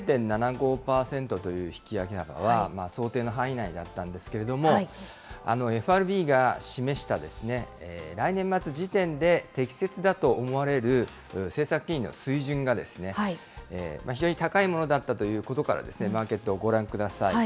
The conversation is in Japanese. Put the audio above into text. ０．７５％という引き上げ幅は、想定の範囲内であったんですけれども、ＦＲＢが示した来年末時点で適切だと思われる政策金利の水準が、非常に高いものだったということから、マーケット、ご覧ください。